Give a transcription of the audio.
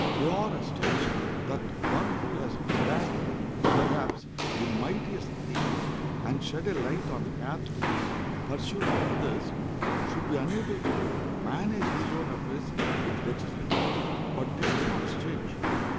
They are astonished that one who has grasped, perhaps, the mightiest themes, and shed a light on the path to be pursued by others, should be unable to manage his own affairs with dexterity. But this is not strange.